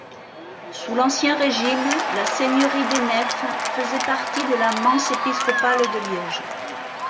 Sous l'Ancien Régime, la seigneurie d'Aineffe faisait partie de la mense épiscopale de Liège.